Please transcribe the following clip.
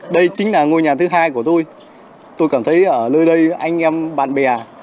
đây chính là ngôi nhà thứ hai của tôi tôi cảm thấy ở nơi đây anh em bạn bè